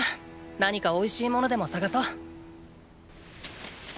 何かおいしいものでも探そう。